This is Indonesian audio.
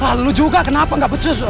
lalu lo juga kenapa gak becus